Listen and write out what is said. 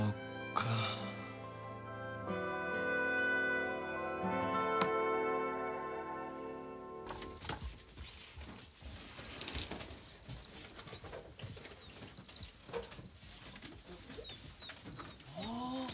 ああ。